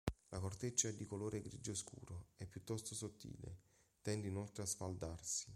La corteccia è di colore grigio scuro e piuttosto sottile; tende inoltre a sfaldarsi.